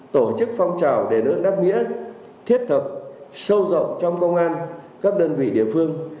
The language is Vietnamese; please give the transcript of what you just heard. tổ chức phong trào đền ơn đáp nghĩa thiết thập sâu rộng trong công an các đơn vị địa phương